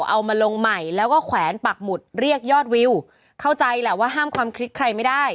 เอามาลงใหม่แล้วก็แขวนปักหมุดเรียกยอดวิวเข้าใจแหละว่าห้ามความคิดใครไม่ได้